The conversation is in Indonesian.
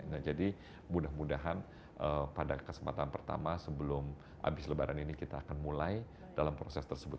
nah jadi mudah mudahan pada kesempatan pertama sebelum habis lebaran ini kita akan mulai dalam proses tersebut